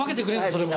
それも。